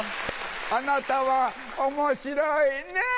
あなたは面白いね！